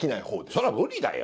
そりゃ無理だよ